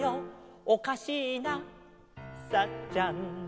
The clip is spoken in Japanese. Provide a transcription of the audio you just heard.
「おかしいなサッちゃん」